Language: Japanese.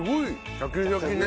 シャキシャキ。